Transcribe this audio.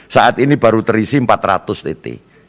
saat ini baru terisi empat ratus titik